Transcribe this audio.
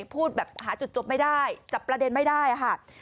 พูดแบบหาจุดจบไม่ได้จับประเด็นไม่ได้ค่ะ